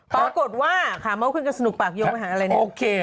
ปรากฏว่าขาเมาท์ขึ้นกับสนุกปากโยงไปหาอะไรเนี่ย